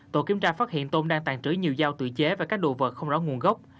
tổ kiểm tra phát hiện tôm đang tàn trữ nhiều dao tự chế và các đồ vật không rõ nguồn gốc